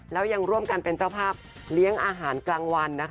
แล้วยังร่วมกันเป็นเจ้าภาพเลี้ยงอาหารกลางวันนะคะ